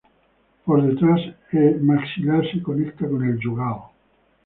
Por detrás, e maxilar se conecta con el yugal.